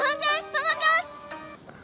その調子！